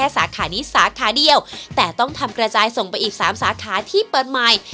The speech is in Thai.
สาขานี้สาขาเดียวแต่ต้องทำกระจายส่งไปอีก๓สาขาที่เปิดใหม่